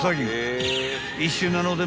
［一瞬なので］